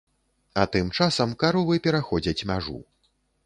А тым часам каровы пераходзяць мяжу.